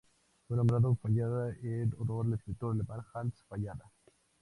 Fue nombrado Fallada en honor al escritor alemán Hans Fallada.